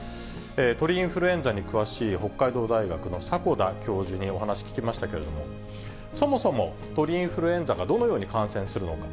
鳥インフルエンザに詳しい北海道大学の迫田教授にお話聞きましたけれども、そもそも鳥インフルエンザがどのように感染するのか。